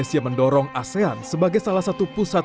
sementara itu badan monetar dunia imf memproyeksikan